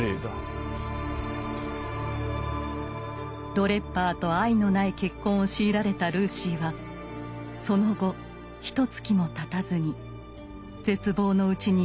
ドレッバーと愛のない結婚を強いられたルーシーはその後ひとつきもたたずに絶望のうちに息絶えました。